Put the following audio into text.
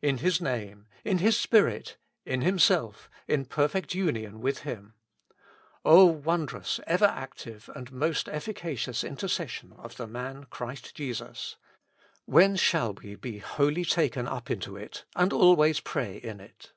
In His Name, in His Spirit, in Himself, in perfect union with Him. O wondrous, ever active, and most effi cacious intercession of the man Christ Jesus ! when shall we be wholly taken up into it, and always pray in it?